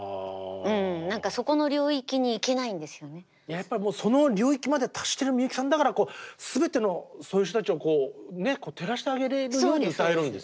やっぱりもうその領域まで達してるみゆきさんだから全てのそういう人たちを照らしてあげれるように歌えるんです。